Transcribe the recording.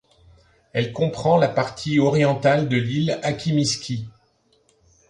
Elle comprend la partie orientale de l'île Akimiski.